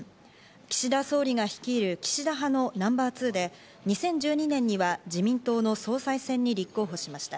岸田総理が率いる岸田派のナンバー２で、２０１２年には自民党の総裁選に立候補しました。